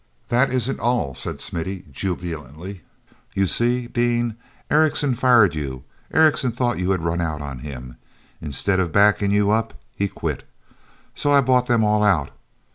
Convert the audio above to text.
"That isn't all," said Smithy jubilantly. "You see, Dean, Erickson fired you—Erickson thought you had run out on him. Instead of backing you up, he quit. So I bought them all out.